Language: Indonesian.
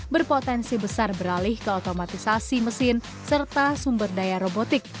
berpotensi besar beralih ke otomatisasi mesin serta sumber daya robotik